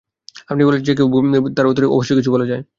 আপনি বলছেন যে কেউ ভুল কিছু বললে, তার উত্তরে অবশ্যই কিছু বলা যায়।